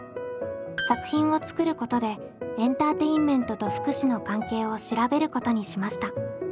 作品を作ることでエンターテインメントと福祉の関係を調べることにしました。